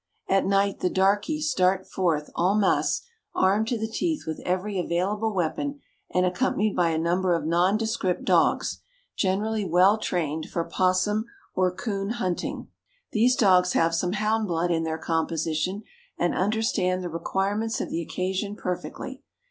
At night the darkies start forth en masse, armed to the teeth with every available weapon, and accompanied by a number of nondescript dogs, generally well trained for 'possum or coon hunting. "These dogs have some hound blood in their composition, and understand the requirements of the occasion perfectly.